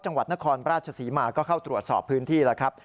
จังหวัดนครราชศรีมาก็เข้าตรวจสอบพื้นที่แล้วครับ